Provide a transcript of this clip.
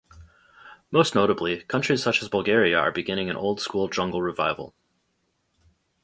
Most notably countries such as Bulgaria are beginning an oldschool jungle revival.